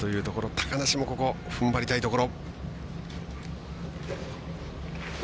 高梨も、ここふんばりたいところ。